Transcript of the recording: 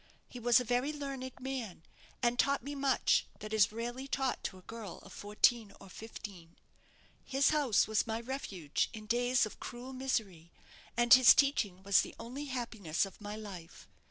He was a very learned man, and taught me much that is rarely taught to a girl of fourteen or fifteen. His house was my refuge in days of cruel misery, and his teaching was the only happiness of my life.